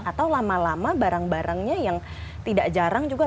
atau lama lama barang barangnya yang tidak jarang juga